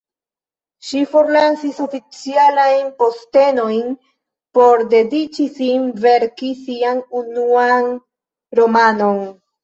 Ŝi forlasis oficialajn postenojn por dediĉi sin verki sian unuan romanon.